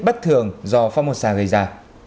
bất thường do phong một xa gây ra